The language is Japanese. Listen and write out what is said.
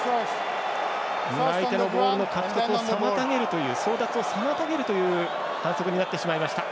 相手のボールの獲得を争奪を妨げるという反則になってしまいました。